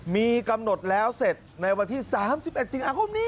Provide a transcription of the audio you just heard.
มีกำหนดแล้วเสร็จในวันที่๓๑สิงหาคมนี้